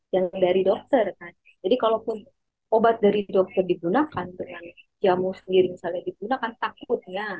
yang dari dokter kan jadi kalaupun obat dari dokter digunakan jamu sendiri misalnya digunakan takut ya